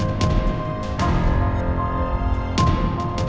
enggak akan cruh fikir